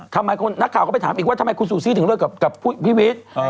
ทำไมคนนักข่าวก็ไปถามอีกว่าทำไมคุณซูซี่ถึงเลิกกับพี่วิทย์